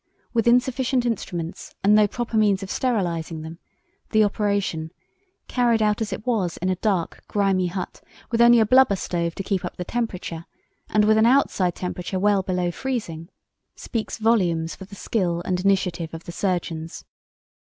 With insufficient instruments and no proper means of sterilizing them, the operation, carried out as it was in a dark, grimy hut, with only a blubber stove to keep up the temperature and with an outside temperature well below freezing, speaks volumes for the skill and initiative of the surgeons.